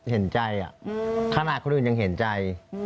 เห็นใจขนาดคนอื่นยังเห็นใจ